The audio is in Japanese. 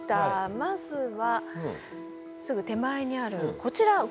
まずはすぐ手前にあるこちらご存じですか？